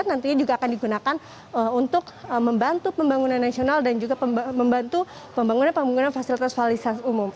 nantinya juga akan digunakan untuk membantu pembangunan nasional dan juga membantu pembangunan pembangunan fasilitas fasilitas umum